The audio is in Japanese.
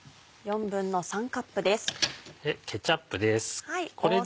ケチャップです。